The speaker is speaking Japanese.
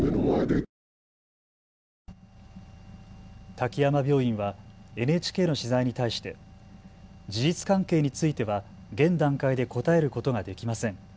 滝山病院はＮＨＫの取材に対して事実関係については現段階で答えることができません。